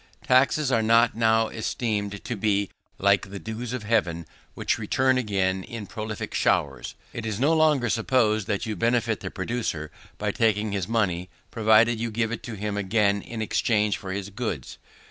Taxes are not now esteemed to be "like the dews of heaven, which return again in prolific showers." It is no longer supposed that you benefit the producer by taking his money, provided you give it to him again in exchange for his goods.